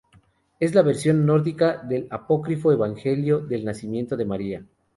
Es la versión nórdica del apócrifo Evangelio del nacimiento de María.